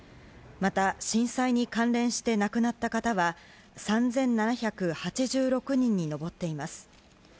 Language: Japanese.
また、震災に関連して亡くなった方は３７８６人にのぼっています。